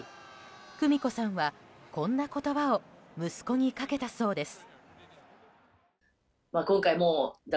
久美子さんは、こんな言葉を息子にかけたそうです。